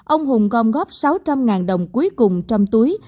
ông hùng gom góp sáu trăm linh đồng cuối cùng trong túi